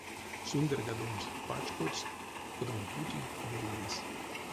Сундерьгадомс пачкодсть кодамо-бути велинес.